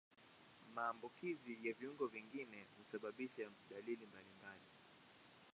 Maambukizi ya viungo vingine husababisha dalili mbalimbali.